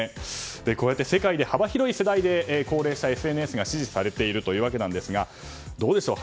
こうやって世界で幅広い世代で高齢者ＳＮＳが支持されているわけですが橋下さん、どうでしょう？